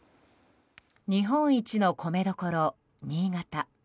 日本一の米どころ、新潟。